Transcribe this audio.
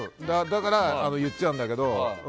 だから、言っちゃうんだけど。